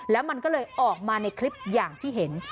แล้วมันก็เลยออกมาในคลิปอย่างที่เห็น